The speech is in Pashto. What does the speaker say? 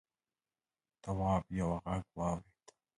تواب یوه غږ واورېد.